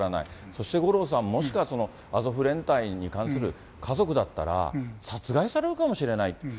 そして五郎さん、もしかすると、アゾフ連隊に関する家族だったら、殺害されるかもしれない。